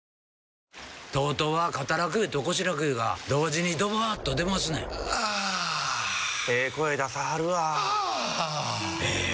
ＴＯＴＯは肩楽湯と腰楽湯が同時にドバーッと出ますねんあええ声出さはるわあええ